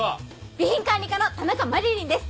備品管理課の田中麻理鈴です。